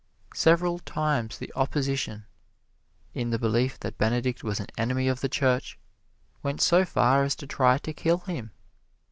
Several times the opposition, in the belief that Benedict was an enemy of the Church, went so far as to try to kill him.